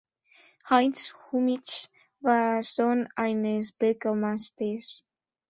Heinz Hummitzsch war Sohn eines Bäckermeisters.